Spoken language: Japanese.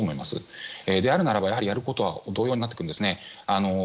そうであるならば、やることは同様になってくるんですね。